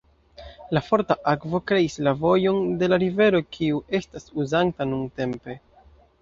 La forta akvo kreis la vojon de la rivero kiu estas uzanta nuntempe.